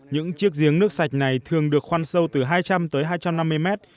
những chiếc giếng nước sạch này thường được khoan sâu từ hai trăm linh tới hai trăm năm mươi mét